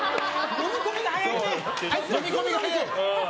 のみ込みが早い。